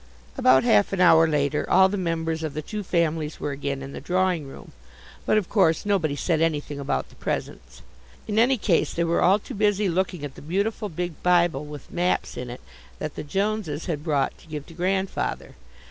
About half an hour later, all the members of the two families were again in the drawing room. But of course nobody said anything about the presents. In any case they were all too busy looking at the beautiful big Bible, with maps in it, that the Joneses had brought to give to Grandfather.